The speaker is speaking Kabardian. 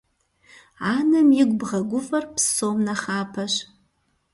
Анэм игу бгъэгуфӏэр псом нэхъапэщ.